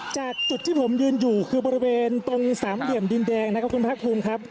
จากจุดที่ผมยืนอยู่คือบริเวณตรงสามเหลี่ยมดินแดงนะครับคุณภาคภูมิครับ